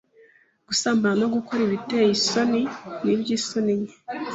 gusambana, no gukora ibiteye isoni, n'iby'isoni nke,